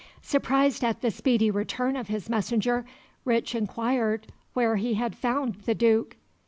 Surprised at the speedy return of his messenger, Rich inquired where he had found "the Duke."